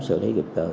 xử lý kịp cơ